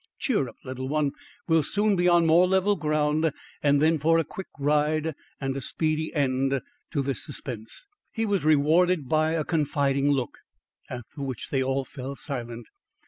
Cheer up, little one, we'll soon be on more level ground and then for a quick ride and a speedy end to this suspense." He was rewarded by a confiding look, after which they all fell silent.